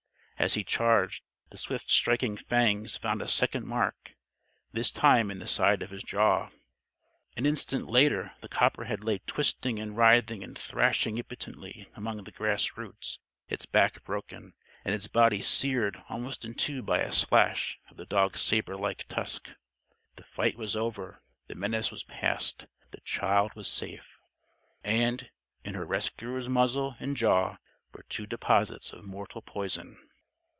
As he charged, the swift striking fangs found a second mark this time in the side of his jaw. An instant later the copperhead lay twisting and writhing and thrashing impotently among the grassroots; its back broken, and its body seared almost in two by a slash of the dog's saber like tusk. The fight was over. The menace was past. The child was safe. And, in her rescuer's muzzle and jaw were two deposits of mortal poison.